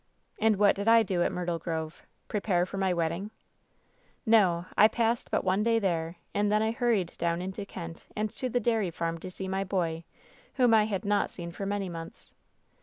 "And what did I do at Myrtle Grove ? Prepare for my wedding ? "No I I passed but one day there, and then I hurried *— down into Kent and to the dairy farm to see my boy, whom I had not seen for manv months.